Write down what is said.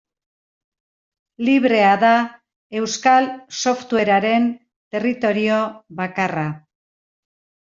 Librea da euskal softwarearen territorio bakarra.